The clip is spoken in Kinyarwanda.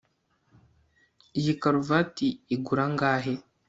Iyi karuvati igura angahe